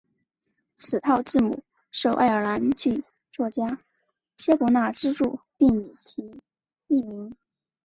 此套字母受爱尔兰剧作家萧伯纳资助并以其命名。